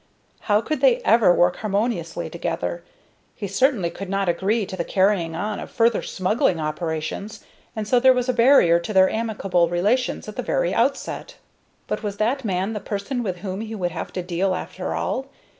How could they ever work harmoniously together? He certainly should not agree to the carrying on of further smuggling operations, and so there was a barrier to their amicable relations at the very outset. But was that man the person with whom he would have to deal, after all?